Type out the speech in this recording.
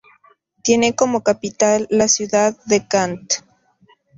Tiene como capital la ciudad de Kant.